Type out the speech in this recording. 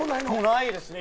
ないですね